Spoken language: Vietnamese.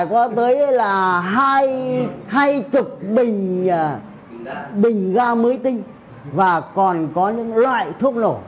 có tới hai trăm linh lít xăng phải có tới là hai mươi bình ga mới tinh và còn có những loại thuốc nổ